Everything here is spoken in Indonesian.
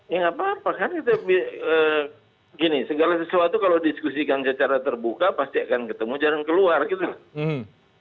ya nggak apa apa kan kita gini segala sesuatu kalau diskusikan secara terbuka pasti akan ketemu jarang keluar gitu loh